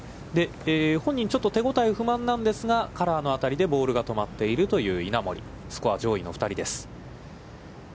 本人、ちょっと手応え不満なんですが、カラーの辺りでボールが止まっている稲森、スコア上位の２人です。